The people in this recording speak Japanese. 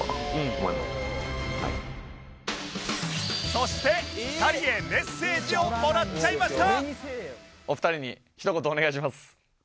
そして２人へメッセージをもらっちゃいました！